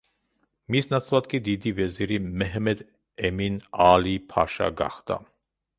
მის ნაცვლად კი დიდი ვეზირი მეჰმედ ემინ აალი-ფაშა გახდა.